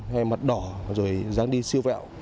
hay mặt đỏ rồi dán đi siêu vẹo